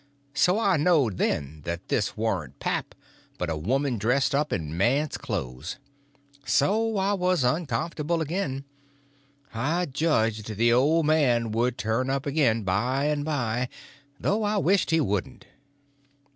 So I knowed, then, that this warn't pap, but a woman dressed up in a man's clothes. So I was uncomfortable again. I judged the old man would turn up again by and by, though I wished he wouldn't.